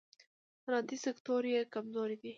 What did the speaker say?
صنعتي سکتور یې کمزوری دی.